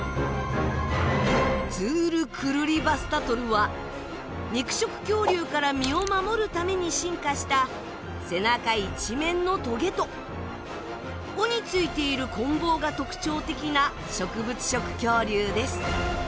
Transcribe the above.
ズール・クルリヴァスタトルは肉食恐竜から身を守るために進化した背中一面のトゲと尾についているこん棒が特徴的な植物食恐竜です。